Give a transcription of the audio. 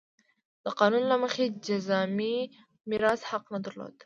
د قانون له مخې جذامي د میراث حق نه درلود.